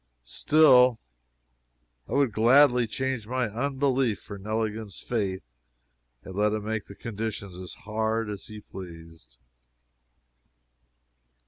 Still, I would gladly change my unbelief for Neligan's faith, and let him make the conditions as hard as he pleased.